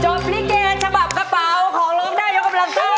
จบนี้เกย์เฉบจับกระเป๋าของลองนายกำรับเซาครับ